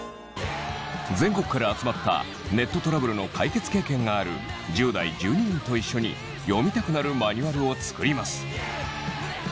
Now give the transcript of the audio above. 全国から集まったネットトラブルの解決経験がある１０代１２人と一緒に読みたくなるマニュアルを作ります。